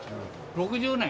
６０年。